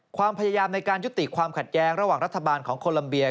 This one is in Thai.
ความพยายามในการยุติความขัดแย้งระหว่างรัฐบาลของโคลัมเบีย